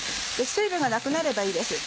水分がなくなればいいです。